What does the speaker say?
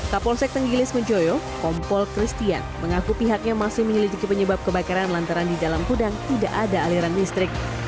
kapolsek tenggilis menjoyo kompol christian mengaku pihaknya masih menyelidiki penyebab kebakaran lantaran di dalam gudang tidak ada aliran listrik